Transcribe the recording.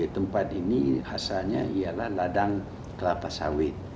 tempat ini asalnya ialah ladang kelapa sawit